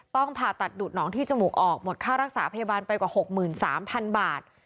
ผ่าตัดดูดหนองที่จมูกออกหมดค่ารักษาพยาบาลไปกว่า๖๓๐๐๐บาท